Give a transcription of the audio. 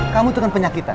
kamu itu kan penyakitan